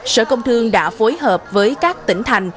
sở công thương đã phối hợp với các tỉnh thành